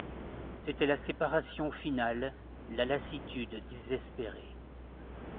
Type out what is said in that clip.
C'était la séparation finale, la lassitude désespérée.